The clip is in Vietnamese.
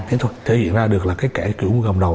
thế thôi thể hiện ra được là cái kẻ kiểu gồng đầu